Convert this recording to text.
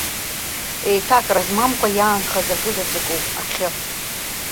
Еиҭакра змамкәа иаанхаз акы заҵәык ауп ахьы.